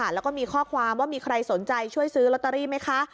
แล้วก็มีข้อความว่ามีใครสนใจช่วยซื้อลอตเตอรี่ไหมคะ